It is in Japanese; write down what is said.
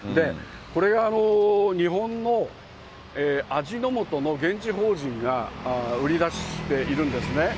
これは、日本の味の素の現地法人が売り出しているんですね。